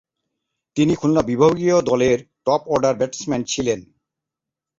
তিনি খুলনা বিভাগীয় দলের টপ-অর্ডার ব্যাটসম্যান ছিলেন।